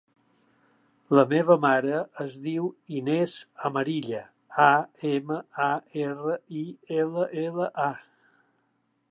La meva mare es diu Inès Amarilla: a, ema, a, erra, i, ela, ela, a.